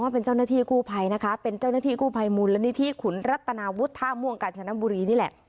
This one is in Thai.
เป็นเจ้าหน้าที่กู้ภัยมูลละนิทธิขุนรัตนาวุฒิธามวงกาญชนบุรีนี่แหละ